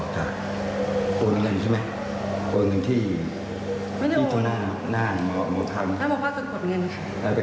ไปกดเงินใช่ไหม